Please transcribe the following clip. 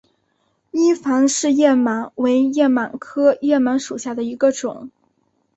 伊凡氏叶螨为叶螨科叶螨属下的一个种。